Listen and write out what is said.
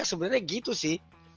sebenarnya gitu sih